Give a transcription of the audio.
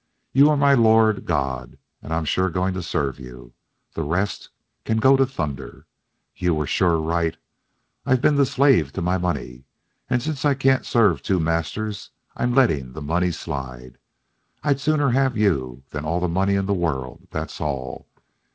You are my Lord God, and I'm sure going to serve you. The rest can go to thunder. You were sure right. I've been the slave to my money, and since I can't serve two masters I'm letting the money slide. I'd sooner have you than all the money in the world, that's all."